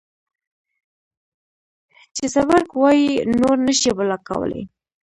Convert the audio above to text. چې زبرګ وائي نور نشې بلاک کولے